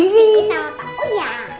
bis kiki sama pak uya